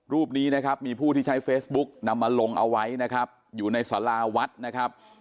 รูปนี้นะครับมีผู้ที่ใช้เฟซบุ๊กนำมาลงเอาไว้นะครับอยู่ในสาราวัดนะครับ